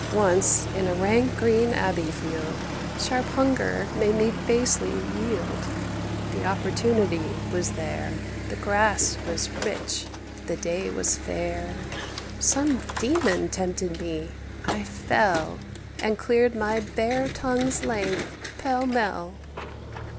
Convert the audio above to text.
Once, in a rank green abbey field, Sharp hunger made me basely yield. The opportunity was there; The grass was rich; the day was fair. Some demon tempted me: I fell, And cleared my bare tongue's length, pell mell."